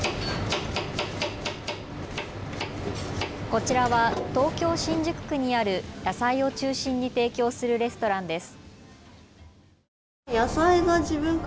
こちらは東京新宿区にある野菜を中心に提供するレストランです。